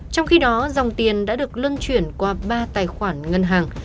trong khi đó dòng tiền đã được lươn chuyển qua ba tài khoản